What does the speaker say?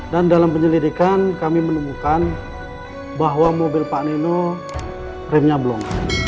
dan dalam penyelidikan kami menemukan bahwa mobil pak nino remnya belum